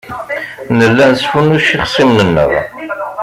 Nella nesfunnuc ixṣimen-nneɣ.